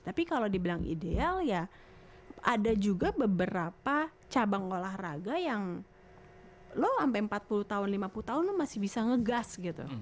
tapi kalau dibilang ideal ya ada juga beberapa cabang olahraga yang lo sampai empat puluh tahun lima puluh tahun lo masih bisa ngegas gitu